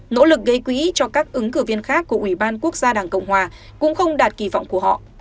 nỗ lực gây quỹ cho các ứng cử viên khác của ủy ban quốc gia đảng cộng hòa cũng không đạt kỳ vọng của họ